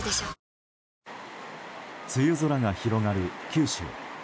梅雨空が広がる九州。